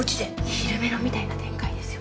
昼メロみたいな展開ですよね。